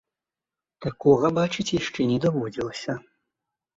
Такога бачыць яшчэ не даводзілася.